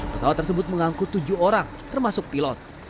pesawat tersebut mengangkut tujuh orang termasuk pilot